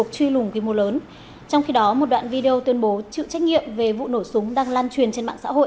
xin kính chào tạm biệt và hẹn gặp lại